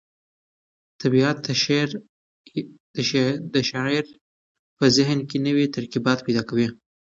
طبیعت د شاعر په ذهن کې نوي ترکیبات پیدا کوي.